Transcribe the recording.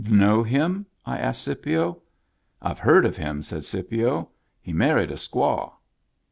" Know him ?" I asked Scipio. " IVe heard of him," said Scipio. " He mar ried a squaw."